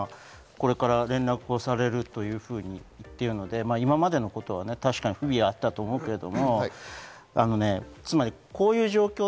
ただ、これから連絡をされるというふうに言っているので、今までのことは確かに不備はあったと思うんですけど。